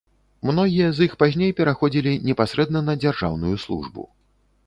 Многія з іх пазней пераходзілі непасрэдна на дзяржаўную службу.